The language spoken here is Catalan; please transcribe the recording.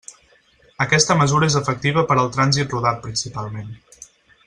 Aquesta mesura és efectiva per al trànsit rodat principalment.